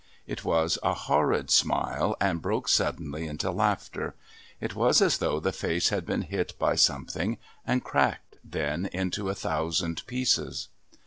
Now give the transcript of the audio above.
It was a horrid smile and broke suddenly into laughter. It was as though the face had been hit by something and cracked then into a thousand pieces.